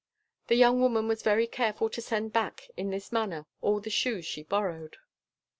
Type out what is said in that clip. The young woman was very careful to send back in this manner all the shoes she borrowed.